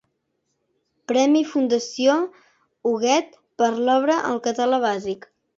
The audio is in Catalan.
Premi Fundació Huguet per l'obra El Català Bàsic.